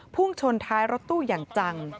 พุ่งชนท้ายรถตู้อย่างจัง